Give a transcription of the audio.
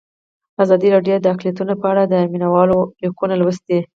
ازادي راډیو د اقلیتونه په اړه د مینه والو لیکونه لوستي.